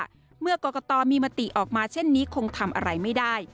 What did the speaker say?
ใครบอกว่าเมื่อกอกต่อมีมติออกมาเช่นนี้คงทำอะไรไม่ได้